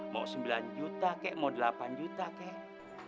mau sembilan juta kek mau delapan juta kek